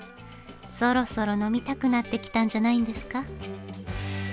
そろそろ呑みたくなってきたんじゃないんですか。